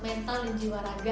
mental dan jiwa raga gitu ya